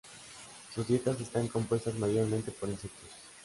Sus dietas están compuestas mayormente por insectos.